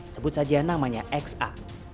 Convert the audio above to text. sebut saja namanya xa